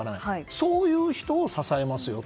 そういう人を支えますよと。